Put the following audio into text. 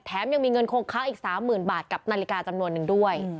ยังมีเงินคงค้างอีก๓๐๐๐บาทกับนาฬิกาจำนวนนึงด้วย